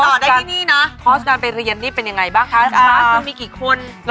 แล้วมีกี่คน